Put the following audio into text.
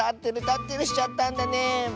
たってるしちゃったんだねえ。